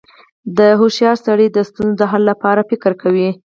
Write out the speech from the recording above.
• هوښیار سړی د ستونزو د حل لپاره فکر کوي.